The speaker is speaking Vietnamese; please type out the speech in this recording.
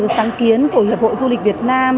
sáng kiến của hiệp hội du lịch việt nam